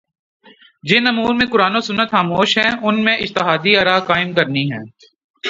جن امور میں قرآن و سنت خاموش ہیں ان میں اجتہادی آراقائم کرنی ہیں